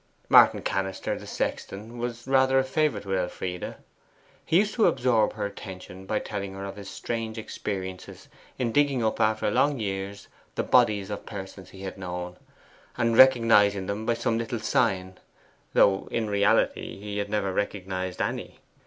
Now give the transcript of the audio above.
Martin Cannister, the sexton, was rather a favourite with Elfride. He used to absorb her attention by telling her of his strange experiences in digging up after long years the bodies of persons he had known, and recognizing them by some little sign (though in reality he had never recognized any).